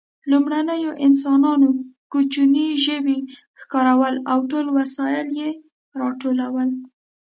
لومړنیو انسانانو کوچني ژوي ښکارول او ټول وسایل یې راټولول.